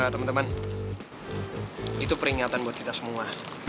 temen temen itu peringatan buat kita semua